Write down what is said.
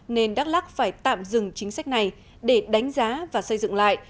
nên đắk lắc phải tạm dừng chính sách này để đánh giá và xây dựng lại